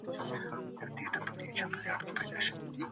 ما پرون په مسجد کي د غیرت په اړه وعظ واورېدی.